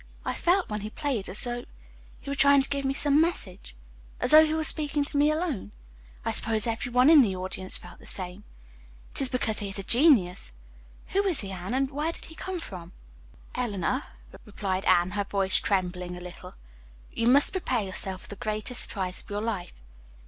I felt when he played as though he were trying to give me some message, as though he were speaking to me alone. I suppose every one in the audience felt the same. It is because he is a genius. Who is he, Anne, and where did he come from?" "Eleanor," replied Anne, her voice trembling a little, "you must prepare yourself for the greatest surprise of your life.